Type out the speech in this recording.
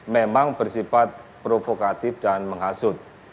memang bersifat provokatif dan menghasut